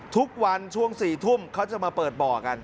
ทุกวันช่วง๔ทุ่มเขาจะมาเปิดบ่อกัน